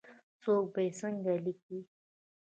څوک به یې څنګه لیکې ؟